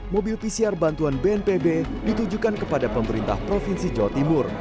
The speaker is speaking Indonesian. mobil pcr bantuan bnpb ditujukan kepada pemerintah provinsi jawa timur